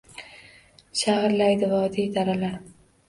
Shag’irlaydi vodiy, daralar.